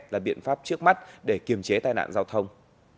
là biện pháp trước mắt để kiềm chế tai nạn giao thông